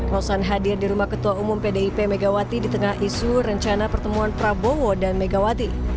rosan hadir di rumah ketua umum pdip megawati di tengah isu rencana pertemuan prabowo dan megawati